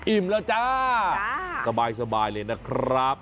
แล้วจ้าสบายเลยนะครับ